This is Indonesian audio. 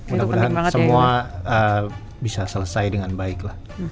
mudah mudahan semua bisa selesai dengan baik lah